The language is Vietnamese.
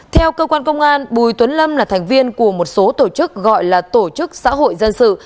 theo cơ quan công an bùi tuấn lâm là thành viên của một số tổ chức gọi là tổ chức xã hội dân sự